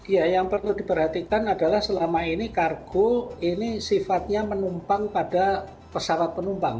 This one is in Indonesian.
ya yang perlu diperhatikan adalah selama ini kargo ini sifatnya menumpang pada pesawat penumpang